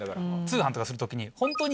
通販とかする時に。